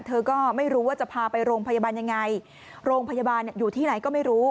เธอก็ไม่รู้ว่าจะพาไปโรงพยาบาลยังไงโรงพยาบาลอยู่ที่ไหนก็ไม่รู้